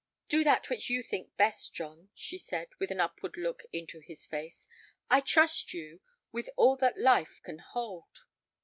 "Do that which you think best, John," she said, with an upward look into his face; "I trust you with all that life can hold."